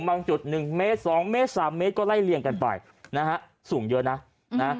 จุดหนึ่งเมตรสองเมตรสามเมตรก็ไล่เลี่ยงกันไปนะฮะสูงเยอะนะนะ